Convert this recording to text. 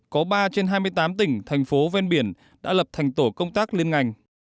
có ba trên hai mươi tám tỉnh thành phố ven biển đã lập thành tổ công tác liên ngành